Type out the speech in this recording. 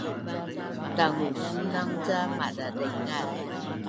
Tangusunang ca madadaingaz